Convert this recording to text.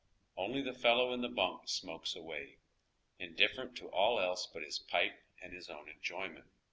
Only the fellow in the bunk smokes away, indifferent to all else but his pipe and his own enjoyment.